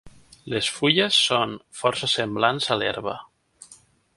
Les fulles són força semblants a l'herba.